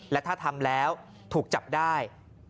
และถ้าทำแล้วถูกจับได้